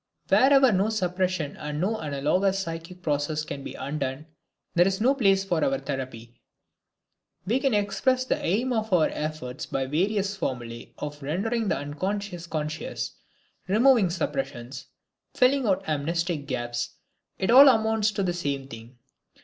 Wherever no suppression and no analogous psychic process can be undone, there is no place for our therapy. We can express the aim of our efforts by various formulae of rendering the unconscious conscious, removing suppressions, filling out amnestic gaps it all amounts to the same thing.